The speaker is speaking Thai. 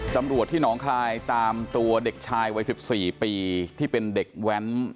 ตำรวจที่หนองคลายตามตัวเด็กชายวัย๑๔ปีที่เป็นเด็กแว้น